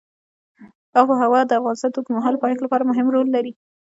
آب وهوا د افغانستان د اوږدمهاله پایښت لپاره مهم رول لري.